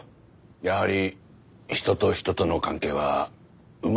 やはり人と人との関係はうまみがないと。